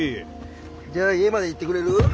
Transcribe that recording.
じゃあ家まで行ってくれる？